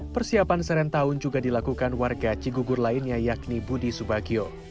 persiapan serentahun juga dilakukan warga cigugur lainnya yakni budi subagio